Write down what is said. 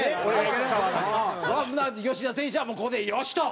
吉田選手はもうここで「よし！」と。